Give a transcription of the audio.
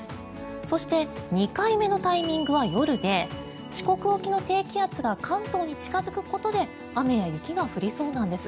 そして２回目のタイミングは夜で四国沖の低気圧が関東に近付くことで雨や雪が降りそうなんです。